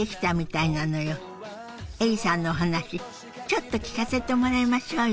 エリさんのお話ちょっと聞かせてもらいましょうよ。